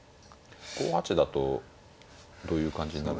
５八だとどういう感じになるんですか？